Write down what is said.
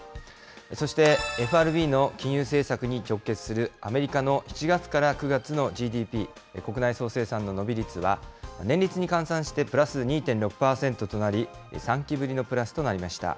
そしてＦＲＢの金融政策に直結するアメリカの７月から９月のＧＤＰ・国内総生産の伸び率は、年率に換算してプラス２．６％となり、３期ぶりのプラスとなりました。